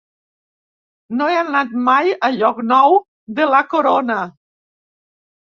No he anat mai a Llocnou de la Corona.